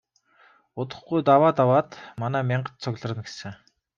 Удахгүй энэ даваа даваад манай мянгат цугларна гэсэн.